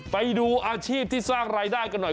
ไปดูอาชีพที่สร้างรายได้กันหน่อย